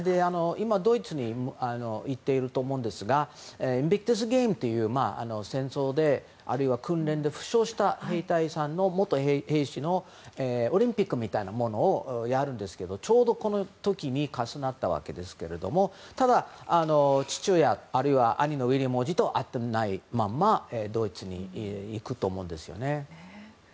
今、ドイツに行っていると思うんですが戦争の訓練で負傷した兵隊さんの元兵士のオリンピックみたいなものをやるんですけどちょうどこの時に重なったわけですけどもただ、父親あるいは兄のウィリアム王子と会ってもないままドイツに行くと思うんですよね。